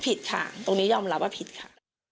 ผิดค่ะตรงนี้ยอมรับว่าผิดค่ะ